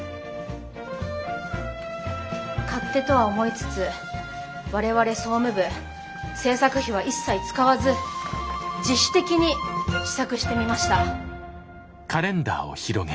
勝手とは思いつつ我々総務部制作費は一切使わず自主的に試作してみました。